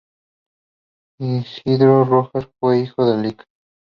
Isidro Rojas fue hijo del Lic.